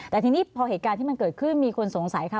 แต่ทีนี้พอเหตุการณ์ที่มันเกิดขึ้นมีคนสงสัยค่ะ